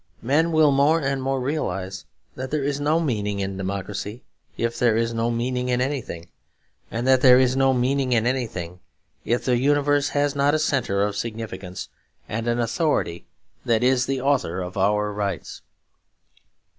Men will more and more realise that there is no meaning in democracy if there is no meaning in anything; and that there is no meaning in anything if the universe has not a centre of significance and an authority that is the author of our rights.